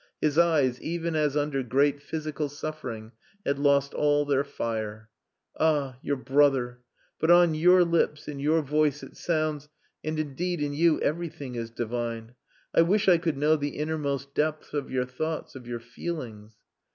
His eyes, even as under great physical suffering, had lost all their fire. "Ah! your brother.... But on your lips, in your voice, it sounds...and indeed in you everything is divine.... I wish I could know the innermost depths of your thoughts, of your feelings."